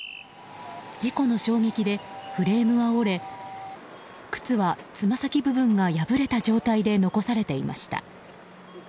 事故の衝撃でフレームは折れ靴はつま先部分が破れた状態で残されていました。